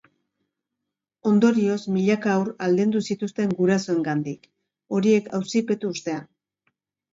Ondorioz, milaka haur aldendu zituzten gurasoengandik, horiek auzipetu ostean.